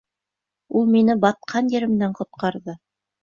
Ул мине батҡан еремдән ҡотҡарҙы.